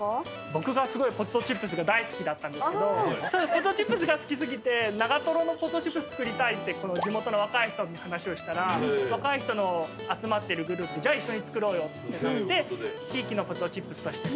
僕がすごいポテトチップスが大好きだったんですけどポテトチップスが好き過ぎて長瀞のポテトチップス作りたいって地元の若い人に話をしたら若い人の集まってるグループじゃあ一緒に作ろうよってなって地域のポテトチップスとして。